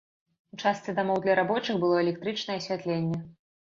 У частцы дамоў для рабочых было электрычнае асвятленне.